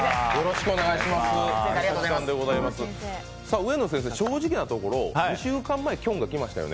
上野先生、正直なところ２週間前、きょんが来ましたよね。